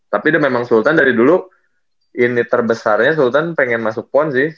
tapi memang sultan dari dulu ini terbesarnya sultan pengen masuk pon sih